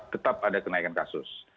tetap ada kenaikan kasus